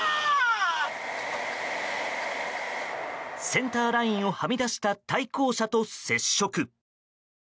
センターラインをはみ出した対向車と接触。